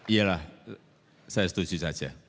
yalah saya setuju saja